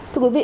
thưa quý vị